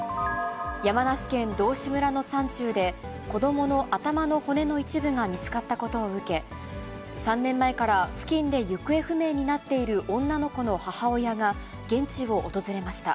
山梨県道志村の山中で、子どもの頭の骨の一部が見つかったことを受け、３年前から付近で行方不明になっている女の子の母親が、現地を訪れました。